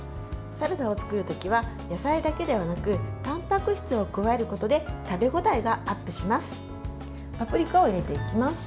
サラダを作る時は野菜だけではなくたんぱく質を加えることで食べ応えがアップします。